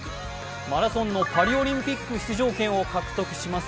マラソンのパリオリンピック出場権を獲得します